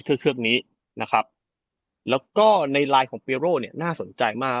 เชฟเชือกนี้นะครับแล้วก็ในลายของเนี้ยน่าสนใจมาก